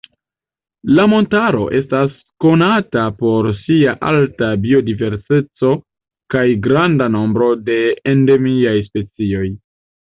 La montaro estas konata por sia alta biodiverseco kaj granda nombro de endemiaj specioj.